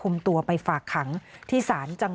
ไม่รู้จริงว่าเกิดอะไรขึ้น